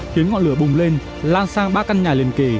khiến ngọn lửa bùng lên lan sang ba căn nhà liền kề